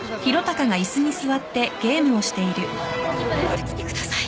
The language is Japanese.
また来てください。